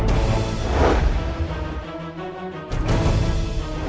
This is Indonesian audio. aku akan menang